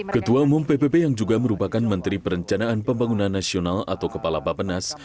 ketua umum pbb yang juga merupakan menteri perencanaan pembangunan nasional atau kepala bapenas